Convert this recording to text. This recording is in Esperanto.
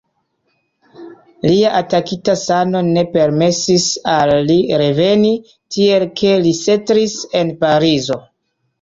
Lia atakita sano ne permesis al li reveni, tiel ke li setlis en Parizo.